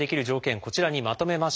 こちらにまとめました。